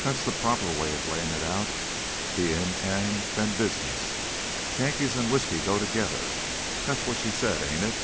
"That's the proper way of layin' it out the inn an' then business. Yankees an' whiskey go together; that's what she said, ain't it?